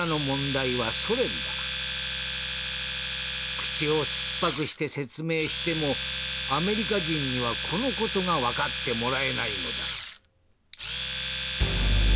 口を酸っぱくして説明してもアメリカ人にはこの事が分かってもらえないのだ」。